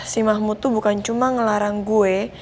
si mahmud itu bukan cuma ngelarang gue